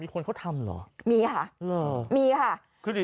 มีคนเค้าทำเหรอ